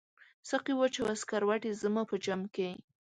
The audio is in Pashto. ساقي واچوه سکروټي زما په جام کې